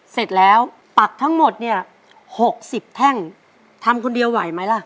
เสร็จแล้วปักทั้งหมดเนี่ยหกสิบแท่งทำคนเดียวไหวไหมล่ะ